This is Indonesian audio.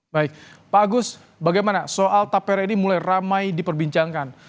baik pak agus bagaimana soal tapera ini mulai ramai diperbincangkan